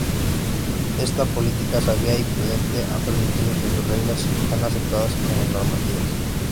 Esta política sabia y prudente ha permitido que sus reglas sean aceptadas como normativas.